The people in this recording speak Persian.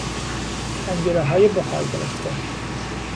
پنجرههای بخار گرفته